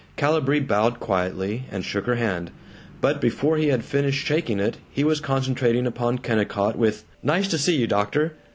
Calibree bowed quietly and shook her hand, but before he had finished shaking it he was concentrating upon Kennicott with, "Nice to see you, doctor.